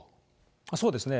そうですね。